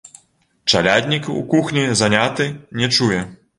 Чаляднік у кухні заняты, не чуе.